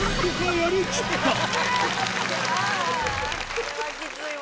これはきついわ。